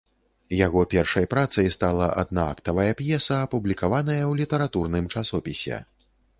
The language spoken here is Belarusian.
Яго першай працай стала аднаактовая п'еса, апублікаваная ў літаратурным часопісе.